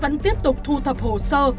vẫn tiếp tục thu thập hồ sơ